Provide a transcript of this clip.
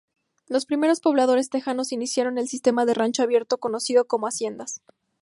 Los primeros pobladores texanos iniciaron el sistema de rancho abierto conocido como haciendas.